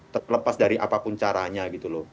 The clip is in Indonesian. terlepas dari apapun caranya gitu loh